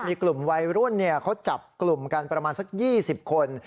มีกลุ่มวัยรุ่นเขาจับกลุ่มกันประมาณสัก๒๐คน